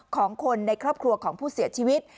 ของคนในครอบครัวของผู้เสียชีวิต